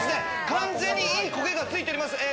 完全にいいコゲがついております。